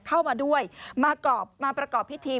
เข้ามาด้วยมาประกอบพิธี